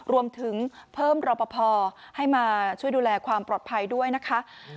รวมถึงเพิ่มรอปภให้มาช่วยดูแลความปลอดภัยด้วยนะคะ